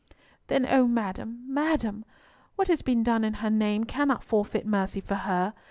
"Then, O madam, madam, what has been done in her name cannot forfeit mercy for her!